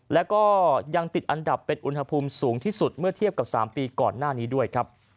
แล้วก็ยังติดอันดับเป็นอุณหภูมิสูงที่สุดเมื่อเทียบกับ๓ปีก่อนหน้านี้ด้วยครับ